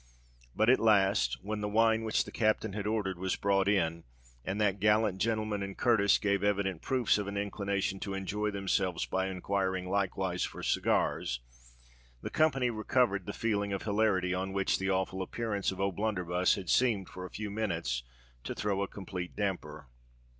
But at last, when the wine which the captain had ordered was brought in, and that gallant gentleman and Curtis gave evident proofs of an inclination to enjoy themselves by enquiring likewise for cigars, the company recovered the feeling of hilarity on which the awful appearance of O'Blunderbuss had seemed for a few minutes to throw a complete damper.